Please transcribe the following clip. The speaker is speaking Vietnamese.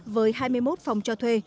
với hai mươi một phòng cho thuê